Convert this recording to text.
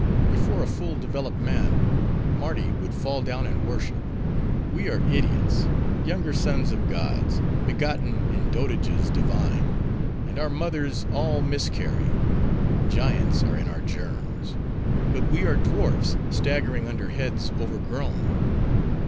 Before a full developed man, Mardi would fall down and worship. We are idiot, younger sons of gods, begotten in dotages divine; and our mothers all miscarry. Giants are in our germs; but we are dwarfs, staggering under heads overgrown.